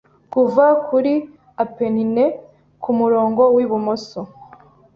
Kuva kuri Apennines kumurongo wibumoso